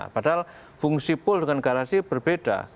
padahal fungsi pool dengan garasi berbeda